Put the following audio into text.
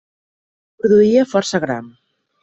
Produïa força gra.